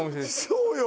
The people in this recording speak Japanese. そうよ